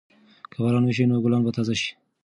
که باران وشي نو ګلان به تازه شي.